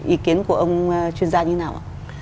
ý kiến của ông chuyên gia như thế nào ạ